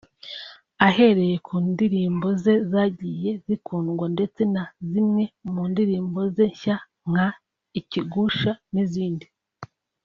Ahereye ku ndirimbo ze zagiye zikundwa ndetse na zimwe mu ndirimbo ze nshya nka “Ikigusha” n’izindi